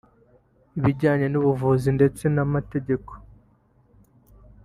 ibijyanye n’Ubuvuzi ndetse n’Amategeko